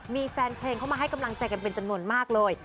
มีแฟนเพลงเข้ามาให้กำลังใจกันเป็นจำนวนมากเลย